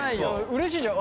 うれしいじゃん。